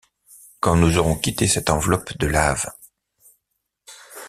Quand nous aurons quitté cette enveloppe de lave.